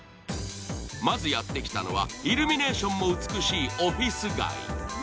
まずやって来たのはイルミネーションも美しいオフィス街。